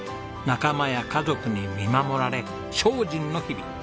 仲間や家族に見守られ精進の日々。